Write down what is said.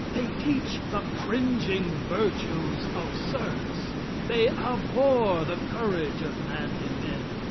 They teach the cringing virtues of serfs. They abhor the courage of manly men.